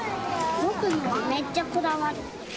ぼくのはめっちゃこだわる。